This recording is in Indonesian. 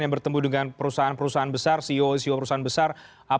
yang bertemu dengan perusahaan perusahaan besar ceo ceo perusahaan besar